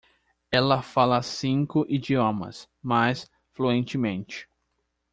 Ela fala cinco idiomas, mas fluentemente.